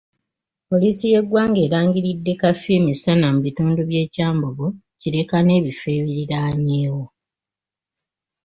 Poliisi y'eggwanga erangiriddde kafyu emisana mu bitundu by'e Kyambogo, Kireka n'ebifo ebiriraanyeewo